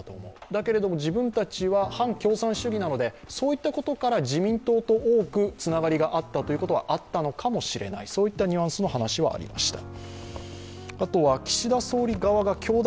だけれども、自分たちは反共産主義なのでそういったことから自民党と多くのつながりがあったということはあったのかもしれないといったニュアンスの話はありました。